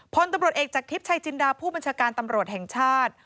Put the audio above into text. พลตำรวจเอกจากทิพย์ชัยจินดาผู้บัญชาการตำรวจแห่งชาติ